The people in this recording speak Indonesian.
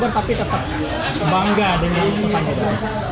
bogor tapi tetap bangga dengan tempat medan